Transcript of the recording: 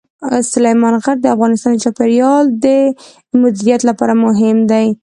سلیمان غر د افغانستان د چاپیریال د مدیریت لپاره مهم دي.